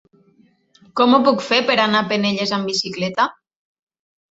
Com ho puc fer per anar a Penelles amb bicicleta?